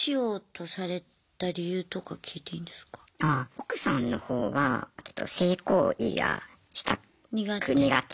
奥さんの方はちょっと性行為がしたく苦手。